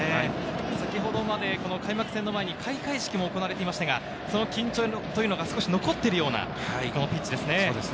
先ほどまで開幕戦の前に開会式も行われていましたが、その緊張というのが少し残っているようなピッチですね。